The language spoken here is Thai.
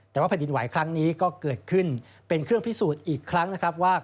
แต่ว่าแผ่นดินไหวครั้งนี้ก็เกิดขึ้นเป็นเครื่องพิสูจน์อีกครั้งนะครับว่า